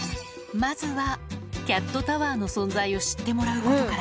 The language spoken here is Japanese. まずは、キャットタワーの存在を知ってもらうことから。